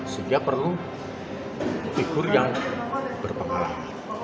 sehingga perlu figur yang berpengalaman